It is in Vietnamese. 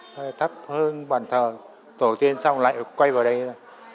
thôi thấp hơn bản thờ tổ tiên xong lại quay vào đây thôi